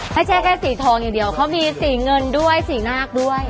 แค่สีทองอย่างเดียวเขามีสีเงินด้วยสีนาคด้วย